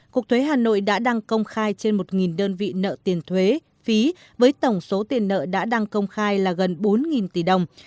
cục thuế hà nội đã đăng công khai trên một đơn vị nợ tiền thuế phí với tổng số tiền nợ đã đăng công khai là gần bốn tỷ đồng